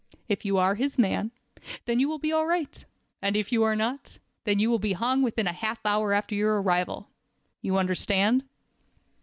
If you are his man, then all will be right. If you are not, then you will be hung within half an hour after your arrival. You understand?"